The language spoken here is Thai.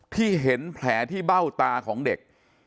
ที่เห็นแผลที่เบ้าตาของเด็ก